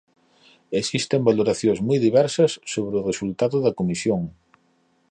Existen valoracións moi diversas sobre o resultado da Comisión.